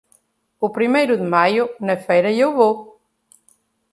O primeiro de maio, na feira eu vou.